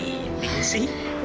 kamu ngapain di sini